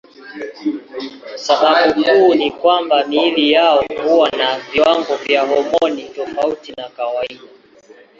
Sababu kuu ni kwamba miili yao huwa na viwango vya homoni tofauti na kawaida.